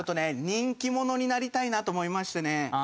人気者になりたいなと思いましてね。